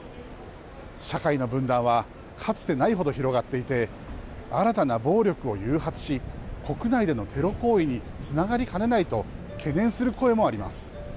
社会の分断はかつてないほど広がっていて、新たな暴力を誘発し、国内でのテロ行為につながりかねないと、懸念する声もあります。